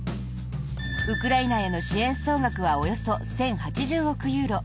ウクライナへの支援総額はおよそ１０８０億ユーロ。